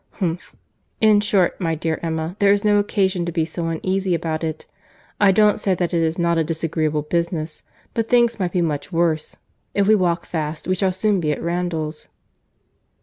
—Humph!—In short, my dear Emma, there is no occasion to be so uneasy about it. I don't say that it is not a disagreeable business—but things might be much worse.—If we walk fast, we shall soon be at Randalls."